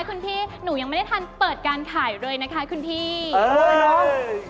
คุณพี่หนูยังไม่ได้ทันเปิดการถ่ายเลยนะคะคุณพี่เออเนอะ